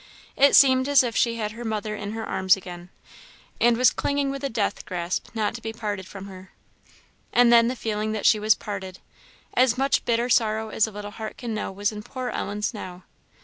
It seemed as if she had her mother again in her arms, and was clinging with a death grasp, not to be parted from her. And then the feeling that she was parted! As much bitter sorrow as a little heart can know was in poor Ellen's now.